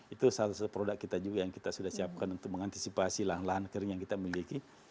itu salah satu produk kita juga yang kita sudah siapkan untuk mengantisipasi lahan lahan kering yang kita miliki